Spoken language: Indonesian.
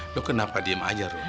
lo kenapa diem aja nur